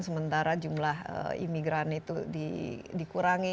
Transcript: sementara jumlah imigran itu dikurangi